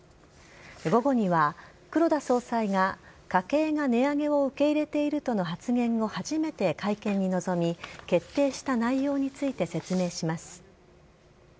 午後には黒田総裁が家計が値上げを受け入れているとの発言後初めて会見に臨み決定した内容について説明します。